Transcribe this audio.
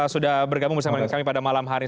sudah bergabung bersama kami pada malam hari